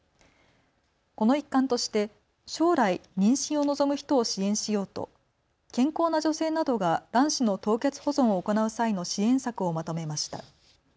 この一環として将来、妊娠を望む人を支援しようと健康な女性などが卵子の凍結保存を行う際の支援策をまとめました。